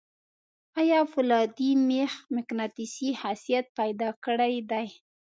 آیا فولادي میخ مقناطیسي خاصیت پیدا کړی دی؟